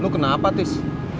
lu kenapa tis